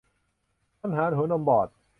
ปัญหาหัวนมบอด